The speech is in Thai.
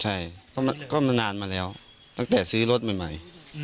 ใช่ก็มานานมาแล้วตั้งแต่ซื้อรถใหม่